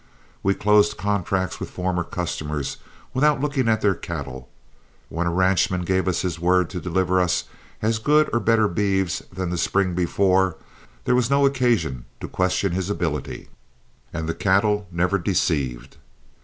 We closed contracts with former customers without looking at their cattle. When a ranchman gave us his word to deliver us as good or better beeves than the spring before, there was no occasion to question his ability, and the cattle never deceived.